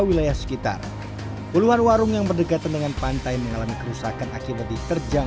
wilayah sekitar puluhan warung yang berdekatan dengan pantai mengalami kerusakan akibat diterjang